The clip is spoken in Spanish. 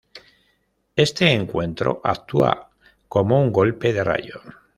Este encuentro actúa como un golpe de rayo.